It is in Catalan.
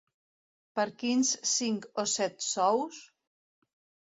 Per quins cinc o set sous?